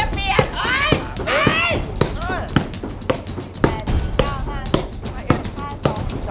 พี่กระป๋านว่าอ่อ